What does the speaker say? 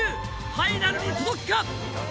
ファイナルに届くか？